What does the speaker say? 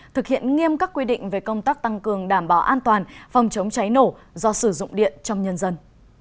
thực hiện nghiêm các quy định về công tác tăng cường đảm bảo an toàn phòng chống cháy nổ do sử dụng điện trong nhân dân